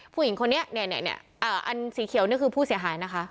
ผู้หญิงคนนี้เนี่ยอันสีเขียวนี่คือผู้เสียหายนะคะ